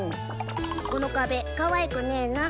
この壁かわいくねーな。